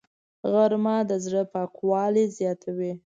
غرمه د زړه پاکوالی زیاتوي